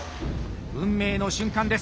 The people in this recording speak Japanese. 運命の瞬間です。